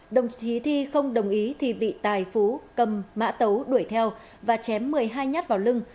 đồng chí thi không đồng ý thì bị tài phú cầm mã tấu đuổi theo và chém một mươi hai nhát vào lưng